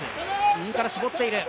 右から絞っている。